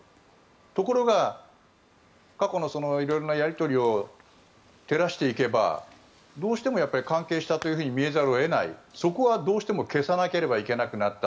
ところが、過去の色々なやり取りを照らしていけばどうしても関係したと見えざるを得ないそこはどうしても消さなければいけなくなった。